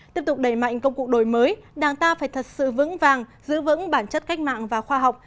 tiếp tục đẩy mạnh công cụ đổi mới đảng ta phải thật sự vững vàng giữ vững bản chất cách mạng và khoa học